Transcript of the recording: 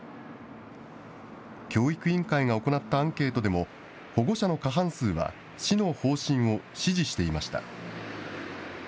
教育委員会が行ったアンケートでも、保護者の過半数は市の方針を支持していました。